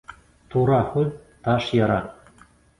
Тура һүҙ таш яра